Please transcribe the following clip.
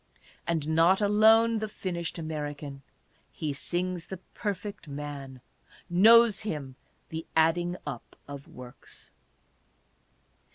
And not alone the finished American : he sings the Per fect Man ; knows him " the adding up of works."